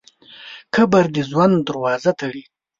قبر د ژوند دروازه تړوي.